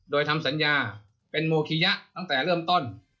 โดยทำสัญญาเป็นโมคิยะตั้งแต่เริ่มต้น